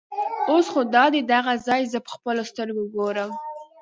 اوس خو دادی دغه ځای زه په خپلو سترګو ګورم.